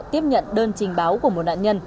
tiếp nhận đơn trình báo của một nạn nhân